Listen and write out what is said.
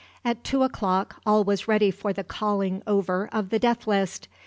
At two o'clock all was ready for the calling over of the death list.